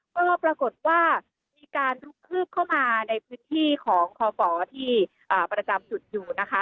ก็ปรากฏว่ามีการลุกคืบเข้ามาในพื้นที่ของคอฝที่ประจำจุดอยู่นะคะ